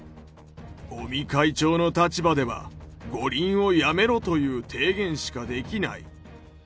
尾身会長の立場では、五輪をやめろという提言しかできない。